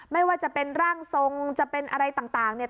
ไม่ว่าจะเป็นร่างทรงจะเป็นอะไรต่างเนี่ย